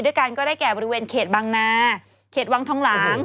ด้วยกันก็ได้แก่บริเวณเขตบางนาเขตวังทองหลาง